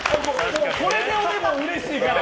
これが、でもうれしいから。